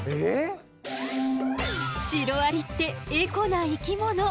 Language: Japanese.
シロアリってエコな生き物！